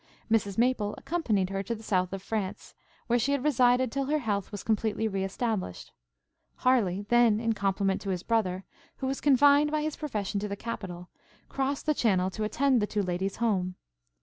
Mrs Maple accompanied her to the south of France, where she had resided till her health was completely re established. Harleigh, then, in compliment to his brother, who was confined by his profession to the capital, crossed the Channel to attend the two ladies home.